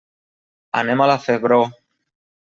Anem a la Febró.